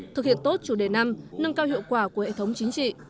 thực hiện tốt chủ đề năm nâng cao hiệu quả của hệ thống chính trị